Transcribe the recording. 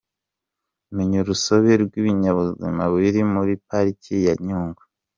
Menya urusobe rw’ibinyabuzima biri muri Pariki ya Nyungwe